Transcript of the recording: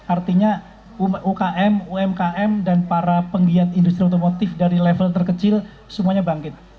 artinya umkm umkm dan para penggiat industri otomotif dari level terkecil semuanya bangkit